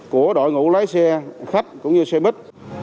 của đội ngũ lái xe khách cũng như xe buýt